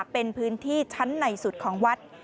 เป็นพื้นที่ชั้นในสุดของวัด